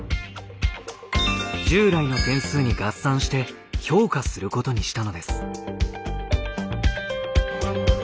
従来の点数に合算して評価することにしたのです。